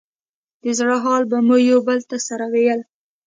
د زړه حال به مو يو بل ته سره ويل.